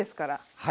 はい。